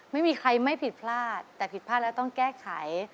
ไม่มีใครไม่ผิดพลาดแต่ผิดพลาดแล้วต้องแก้ไข